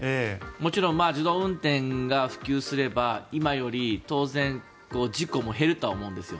もちろん自動運転が普及すれば今より当然、事故も減るとは思うんですよ。